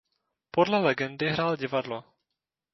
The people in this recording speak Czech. Podle legendy hrál divadlo.